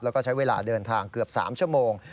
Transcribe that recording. แล้วก็ใช้เวลาเดินทางเกือบ๓ชั่วโมง